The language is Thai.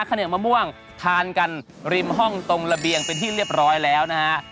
เหนียวมะม่วงทานกันริมห้องตรงระเบียงเป็นที่เรียบร้อยแล้วนะฮะ